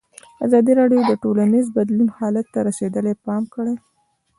ازادي راډیو د ټولنیز بدلون حالت ته رسېدلي پام کړی.